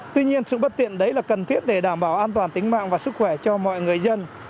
tuy nhiên sự bất tiện đấy là cần thiết để đảm bảo an toàn tính mạng và sức khỏe cho mọi người dân